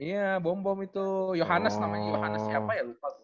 iya bom bom itu johannes namanya johannes siapa ya lupa gue